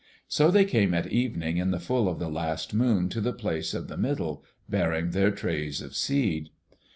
So they came at evening in the full of the last moon to the Place of the Middle, bearing their trays of seed.